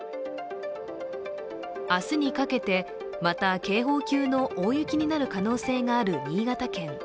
明日にかけて、また警報級の大雪になる可能性がある新潟県。